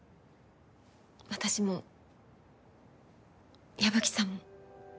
私も矢吹さんも。